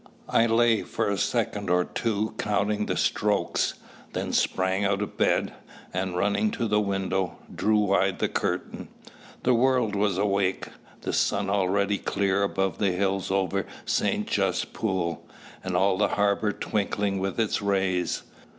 I lay for a second or two counting the strokes, then sprang out of bed, and, running to the window, drew wide the curtain. The world was awake, the sun already clear above the hills over St. Just pool, and all the harbour twinkling with its rays.